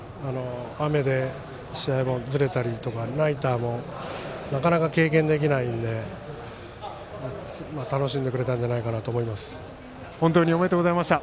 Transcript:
雨で試合もずれたりとかナイターもなかなか経験できないんで楽しんでくれたんじゃないかなと本当におめでとうございました。